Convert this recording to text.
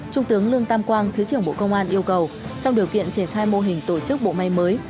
trung tướng lương tam quang thứ trưởng bộ công an yêu cầu trong điều kiện triển khai mô hình tổ chức bộ máy mới